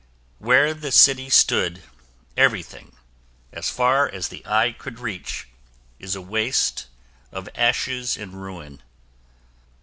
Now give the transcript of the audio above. Where the city stood everything, as far as the eye could reach, is a waste of ashes and ruin.